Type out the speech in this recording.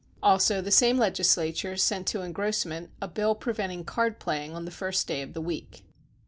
Also the same legisla ture sent to engrossment a bill preventing card playing on the first day of the week.